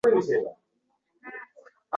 Zohidlarning martabasi.